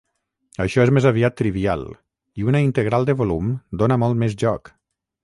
Això és més aviat trivial, i una integral de volum dóna molt més joc.